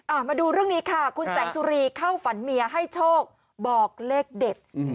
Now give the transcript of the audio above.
มาดูเรื่องนี้ค่ะคุณแสงสุรีเข้าฝันเมียให้โชคบอกเลขเด็ดอืม